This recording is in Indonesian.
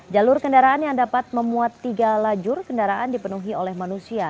jalur kendaraan yang dapat memuat tiga lajur kendaraan dipenuhi oleh manusia